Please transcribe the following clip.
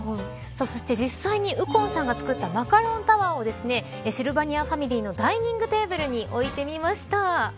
実際に、右近さんが作ったマカロンタワーをシルバニアファミリーのダイニングテーブルに置いてみました。